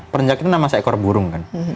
perenjak itu nama seekor burung kan